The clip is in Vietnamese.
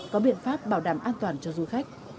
có biện pháp bảo đảm an toàn cho du khách